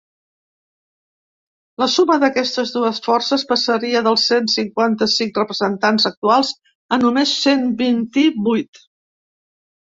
La suma d’aquestes dues forces passaria dels cent cinquanta-cinc representants actuals a només cent vint-i-vuit.